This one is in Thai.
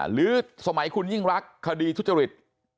หรือสมัยคุณยิ่งรักคดีทุจริต